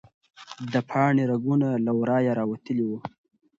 د پاڼې رګونه له ورایه راوتلي وو.